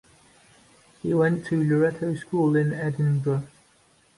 He went to Loretto School in Edinburgh.